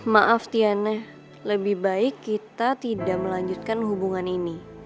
maaf tiana lebih baik kita tidak melanjutkan hubungan ini